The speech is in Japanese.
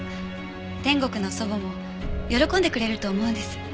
天国の祖母も喜んでくれると思うんです。